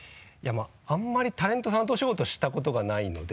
あんまりタレントさんとお仕事したことがないので。